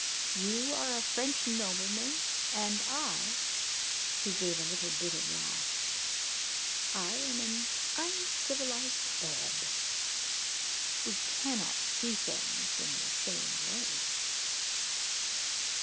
You are a French nobleman, and I !" He gave a little bitter laugh. "I am an uncivilised Arab. We cannot see things in the same way."